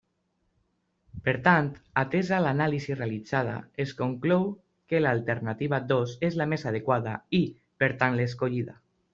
Per tant, atesa l'anàlisi realitzada, es conclou que l'alternativa dos és la més adequada, i, per tant, l'escollida.